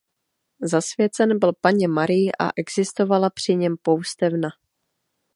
Zasvěcen byl Panně Marii a existovala při něm poustevna.